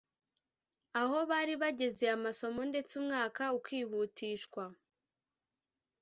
aho bari bageze amasomo, ndetse umwaka ukihutishwa